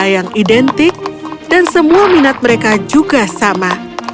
yang identik dan semua minat mereka juga sama